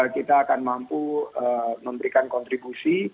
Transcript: kita akan mampu memberikan kontribusi